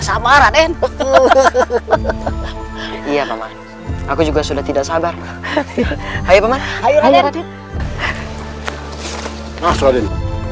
sabar aden betul iya paman aku juga sudah tidak sabar hai peman ayo raden mas raden